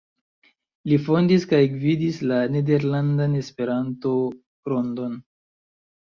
Li fondis kaj gvidis la "Nederlandan Esperanto-Rondon.